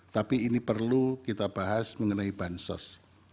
tapi ini perlu kita bahas mengenai bansos